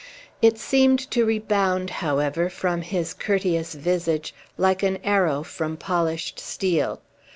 It seemed to rebound, however, from his courteous visage, like an arrow from polished steel.